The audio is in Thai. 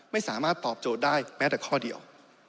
ไม่สามารถตอบโจทย์ได้แม้แต่ข้อเดียว